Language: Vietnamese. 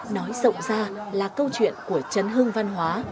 nói rộng ra là câu chuyện của chấn hương văn hóa